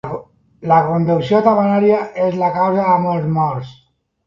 La conducció temerària és la causa de molts morts.